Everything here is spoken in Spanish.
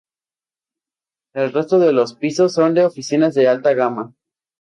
El resto de los pisos son de oficinas de alta gama.